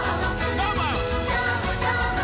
どーも！